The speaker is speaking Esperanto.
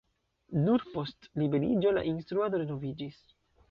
Nur post liberiĝo la instruado renoviĝis.